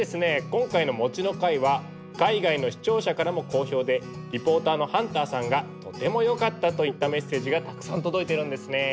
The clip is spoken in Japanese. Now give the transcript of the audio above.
今回の「餅の回」は海外の視聴者からも好評で「リポーターのハンターさんがとてもよかった」といったメッセージがたくさん届いてるんですね！